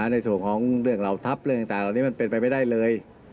ในส่วนของเรื่องเหล่าทัพเรื่องต่างเหล่านี้มันเป็นไปไม่ได้เลย